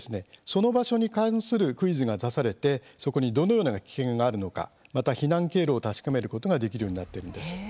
その場所に関するクイズが出されてそこにどのような危険があるのかまた、避難経路を確かめることができるようになっているんです。